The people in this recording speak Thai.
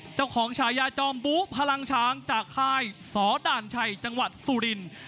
เจ้าของชายาจอมบุพลังชางจากค่ายสดั่นชัยจังหวัดสุรินทร์